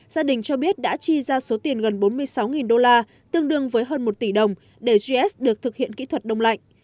gia đình cho biết đã chi ra số tiền gần bốn mươi sáu đô la tương đương với hơn một tỷ đồng để gs được thực hiện kỹ thuật đông lạnh